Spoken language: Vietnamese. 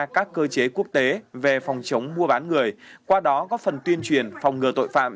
các cơ chế quốc tế về phòng chống mua bán người qua đó góp phần tuyên truyền phòng ngừa tội phạm